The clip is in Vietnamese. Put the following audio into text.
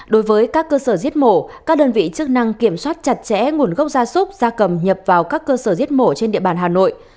đối với các cơ sở giết mổ các đơn vị chức năng kiểm soát chặt chẽ nguồn gốc gia súc gia cầm nhập vào các cơ sở giết mổ trên địa bàn hà nội